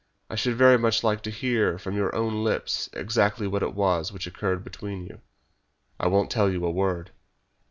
I should very much like to hear from your own lips exactly what it was which occurred between you." "I won't tell you a word."